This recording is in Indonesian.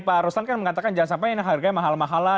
pak ruslan kan mengatakan jangan sampai harganya mahal mahalan